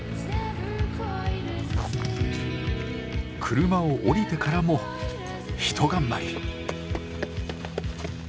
車を降りてからもひと頑張り。